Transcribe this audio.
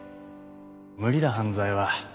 無理だ犯罪は。